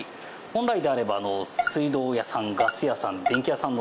本来であれば水道屋さんガス屋さん